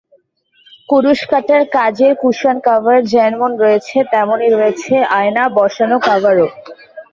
কুরুশকাঁটার কাজের cushion cover যেমন রয়েছে, তেমনি রয়েছে আয়না বসানো কভারও।